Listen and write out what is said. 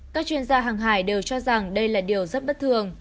các chuyên gia hàng hải đều cho rằng đây là điều rất bất thường